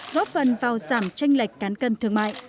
góp phần vào giảm tranh lệch cán cân thương mại